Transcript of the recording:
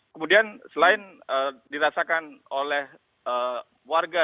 kemudian selain dirasakan oleh warga